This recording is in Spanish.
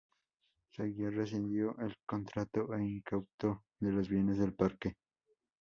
Saguier rescindió el contrato e incautó de los bienes del parque.